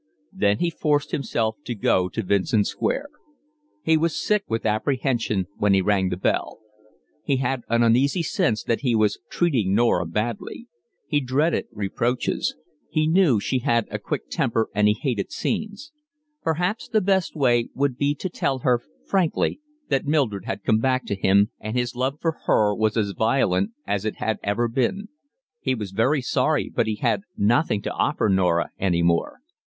Then he forced himself to go to Vincent Square. He was sick with apprehension when he rang the bell. He had an uneasy sense that he was treating Norah badly; he dreaded reproaches; he knew she had a quick temper, and he hated scenes: perhaps the best way would be to tell her frankly that Mildred had come back to him and his love for her was as violent as it had ever been; he was very sorry, but he had nothing to offer Norah any more.